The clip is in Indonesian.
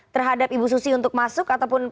terhadap ibu susi untuk masuk ataupun